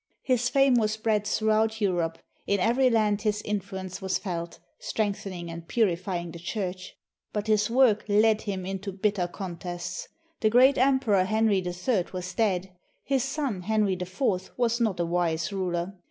His fame was spread throughout Europe; in every land his influence was felt, strengthening and purifying the Church. But his work led him into bitter contests. The great Emperor Henry III was dead. His son, Henry IV, was not a wise ruler.